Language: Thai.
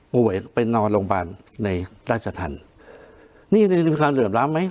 ป่วยไปนอนโรงพยาบาลในราชธรรมนี่มีความเหลื่อมล้ำไหม